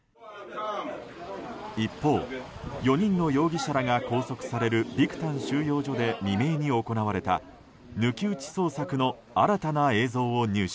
一方、４人の容疑者らが拘束されるビクタン収容所で未明に行われた抜き打ち捜索の新たな映像を入手。